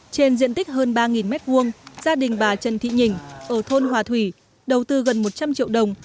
trên diện tích hơn ba m hai gia đình bà trần thị nhỉnh ở thôn hòa thủy đầu tư gần một trăm linh triệu đồng